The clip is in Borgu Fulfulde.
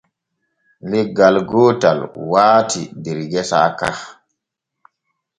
Leggal gootal waati der gesa ka.